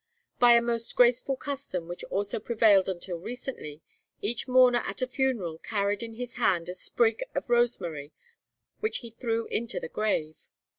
By a most graceful custom which also prevailed until recently, each mourner at a funeral carried in his hand a sprig of rosemary, which he threw into the grave.